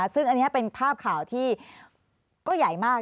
ซึ่งอันนี้เป็นภาพข่าวที่ก็ใหญ่มาก